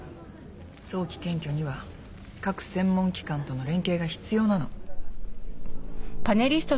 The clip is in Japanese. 早期検挙には各専門機関との連携が必要なの。